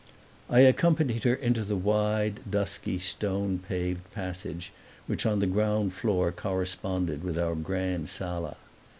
I accompanied her into the wide, dusky, stone paved passage which on the ground floor corresponded with our grand sala.